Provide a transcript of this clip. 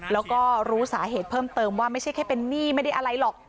แล้วก็รู้สาเหตุเพิ่มเติมว่าไม่ใช่แค่เป็นหนี้ไม่ได้อะไรหรอก